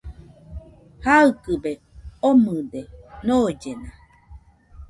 Jaɨkɨbe omɨde noillena